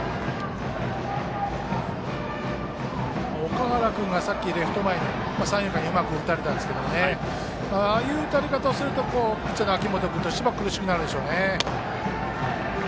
岳原君がさっきレフト前三遊間にうまく打たれたんですがああいう打たれ方をするとピッチャーの秋本君とすると苦しくなるでしょうね。